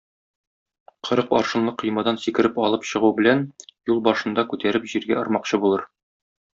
Кырык аршынлы коймадан сикереп алып чыгу белән, юл башында күтәреп җиргә ормакчы булыр.